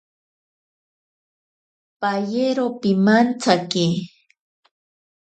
Payero pimantsaki.